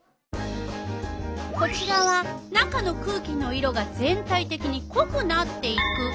こちらは中の空気の色が全体てきにこくなっていく。